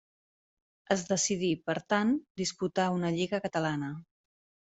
Es decidí, per tant, disputar una Lliga Catalana.